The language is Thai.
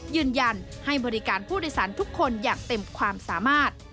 ยืนยันให้บริการผู้โดยสารทุกคนอย่างเต็มความสามารถ